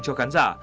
cho khán giả